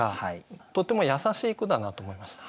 とても優しい句だなと思いました。